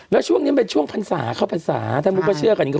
แล้วช่วงนี้มันเป็นช่วงพรรษาเข้าพรรษาถ้ามุกก็เชื่อกันก็